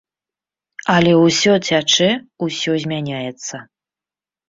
Але ўсё цячэ, усё змяняецца.